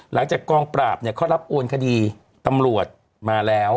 หลังจากกองปราบเนี่ยเขารับโอนคดีตำรวจมาแล้ว